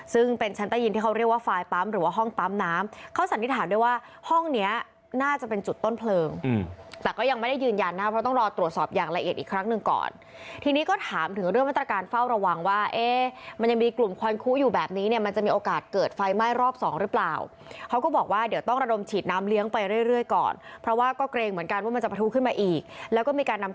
ซึ่งเป็นชั้นได้ยินที่เขาเรียกว่าไฟล์ปั๊มหรือว่าห้องปั๊มน้ำเขาสันนิษฐานด้วยว่าห้องเนี้ยน่าจะเป็นจุดต้นเพลิงแต่ก็ยังไม่ได้ยืนยันนะเพราะต้องรอตรวจสอบอย่างละเอียดอีกครั้งหนึ่งก่อนทีนี้ก็ถามถึงเรื่องมาตรการเฝ้าระวังว่าเอ๊ะมันยังมีกลุ่มควันคู้อยู่แบบนี้เนี่ยมันจะมีโอกา